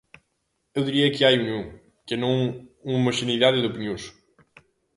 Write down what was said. Eu diría que hai unión, que non homoxeneidade de opinións.